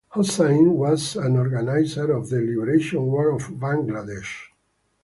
Hossain was an organizer of the Liberation War of Bangladesh.